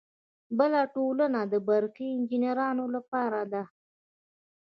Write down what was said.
بله ټولنه د برقي انجینرانو لپاره ده.